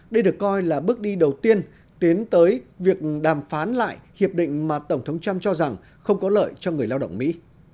đây được coi là bước đi đầu tiên tiến tới việc đàm phán lại hiệp định mà tổng thống trump cho rằng không có lợi cho người lao động mỹ